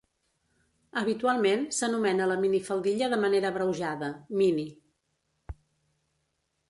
Habitualment s'anomena la minifaldilla de manera abreujada: mini.